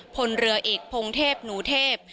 พลเรือเอกพงเทพหนูเทพ